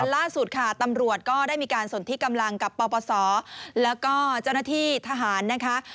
ล่าสุดค่ะตำรวจก็ได้มีการสนที่กำลังกับปปศแล้วก็เจ้าหน้าที่ทหารนะคะ